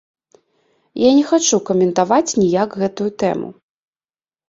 Я не хачу каментаваць ніяк гэтую тэму.